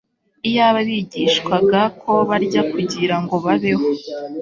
iyaba bigishwaga ko barya kugira ngo babeho